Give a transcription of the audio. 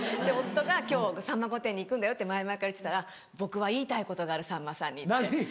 で夫が今日『さんま御殿‼』に行くって前々から言ってたら「僕は言いたいことがあるさんまさんに」って。